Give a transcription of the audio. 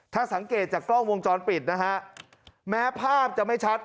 ถ้าสังเกตจากกล้องวงจรปิดนะฮะแม้ภาพจะไม่ชัด